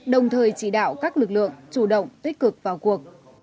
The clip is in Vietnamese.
đồng thời chỉ đạo các lực lượng chủ động tích cực vào cuộc